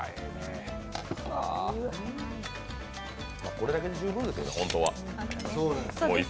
これだけで十分ですよね。